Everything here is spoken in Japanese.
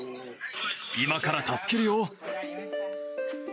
今から助けるよ。